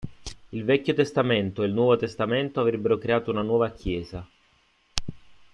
Il Vecchio testamento e il nuovo testamento avrebbero creato una nuova chiesa.